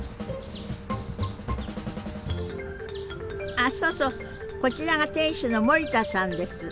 あそうそうこちらが店主の森田さんです。